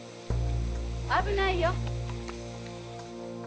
危ないよ！